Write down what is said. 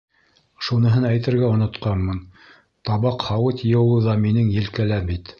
Шуныһын әйтергә онотҡанмын, табаҡ-һауыт йыуыу ҙа минең елкәлә бит.